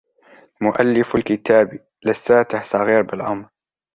مؤلف الكتاب لساته صغير بالعمر